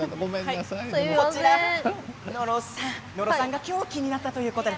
野呂さんが今日気になったということで。